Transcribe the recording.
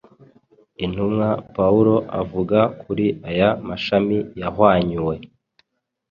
Intumwa Pawulo avuga kuri aya mashami yahwanyuwe